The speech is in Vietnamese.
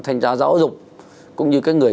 thanh tra giáo dục cũng như cái người